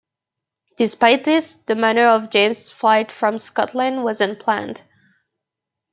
Despite this, the manner of James's flight from Scotland was unplanned.